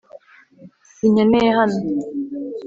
sinkeneye hano